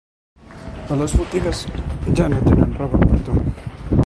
A les botigues ja no tenen roba per a tu.